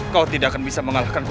kau tidak akan bisa mengalahkan aku